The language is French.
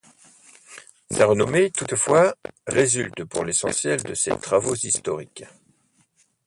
Sa renommée, toutefois, résulte pour l’essentiel de ses travaux historiques.